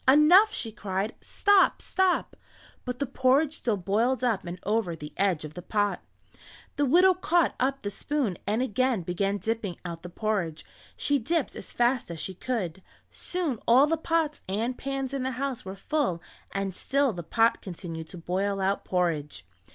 "Enough!" she cried. "Stop! Stop!" but the porridge still boiled up and over the edge of the pot. The widow caught up the spoon and again began dipping out the porridge; she dipped as fast as she could. Soon all the pots and pans in the house were full and still the pot continued to boil out porridge.